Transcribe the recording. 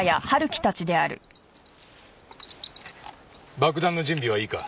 爆弾の準備はいいか？